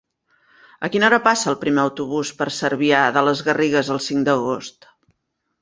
A quina hora passa el primer autobús per Cervià de les Garrigues el cinc d'agost?